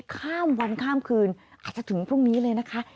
ข้ามวันข้ามคืนอาจจะถึงพรุ่งนี้เลยนะคะ